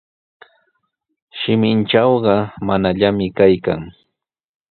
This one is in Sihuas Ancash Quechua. "Shimintrawqa ""manallami"" kaykan."